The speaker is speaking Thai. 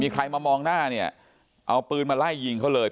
ใครมามองหน้าเนี่ยเอาปืนมาไล่ยิงเขาเลย